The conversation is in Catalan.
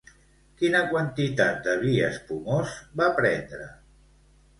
Quina quantitat de vi espumós va prendre?